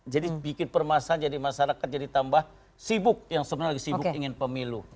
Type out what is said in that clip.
jadi bikin permasalahan jadi masyarakat jadi tambah sibuk yang sebenarnya lagi sibuk ingin pemilu